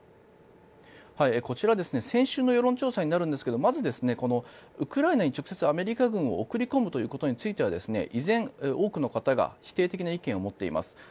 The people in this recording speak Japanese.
こちら先週の世論調査になるんですがまずこのウクライナに直接アメリカ軍を送り込むということについては依然、多くの方が否定的な意見を持っています。